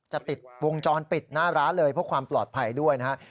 จะติดวงจรปิดหน้าร้านเลยเพื่อความปลอดภัยด้วยนะครับ